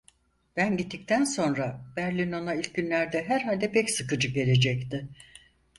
Ben gittikten sonra Berlin ona ilk günlerde herhalde pek sıkıcı gelecekti.